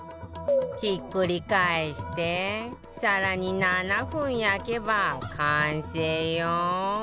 ひっくり返して更に７分焼けば完成よ